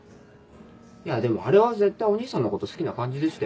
いやでもあれは絶対お義兄さんのこと好きな感じでしたよね。